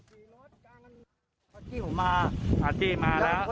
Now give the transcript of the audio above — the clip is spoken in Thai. ด้วยแล้วก็บึษรถใส่ผม